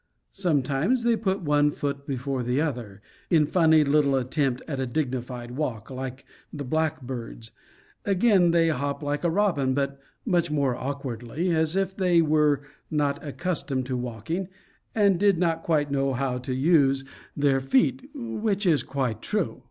Sometimes they put one foot before the other, in funny little attempt at a dignified walk, like the blackbirds; again they hop like a robin, but much more awkwardly, as if they were not accustomed to walking and did not quite know how to use their feet which is quite true.